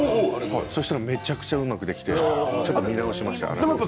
そしたら、めちゃくちゃうまくできてちょっと見直しました。